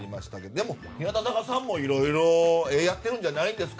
でも日向坂さんもやってるんじゃないですか？